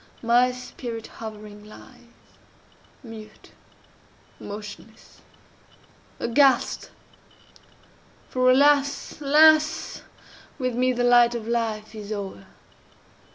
my spirit hovering lies, Mute—motionless—aghast! For alas! alas! with me The light of life is o'er.